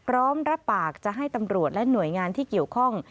รับปากจะให้ตำรวจและหน่วยงานที่เกี่ยวข้อง